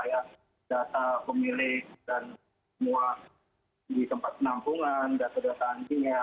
ya data pemilik dan semua di tempat penampungan data data anjingnya